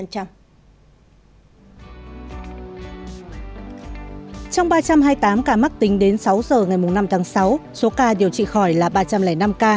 trong ba trăm hai mươi tám ca mắc tính đến sáu giờ ngày năm tháng sáu số ca điều trị khỏi là ba trăm linh năm ca